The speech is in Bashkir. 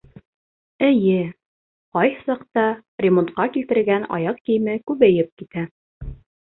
Эйе, ҡайһы саҡта ремонтҡа килтерелгән аяҡ кейеме күбәйеп китә.